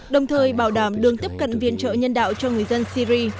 đồng thời bảo đảm đường tiếp cận viện trợ nhân đạo cho người dân syri